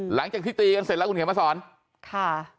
หลังจากที่ตีกันเสร็จแล้วคุณเขียนมาสอนค่ะ